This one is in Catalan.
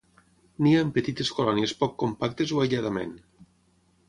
Nia en petites colònies poc compactes o aïlladament.